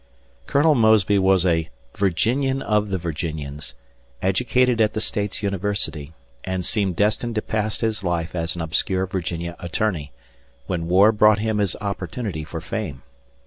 Colonel Mosby was a "Virginian of the Virginians", educated at the State's University, and seemed destined to pass his life as an obscure Virginia attorney, when war brought him his opportunity for fame.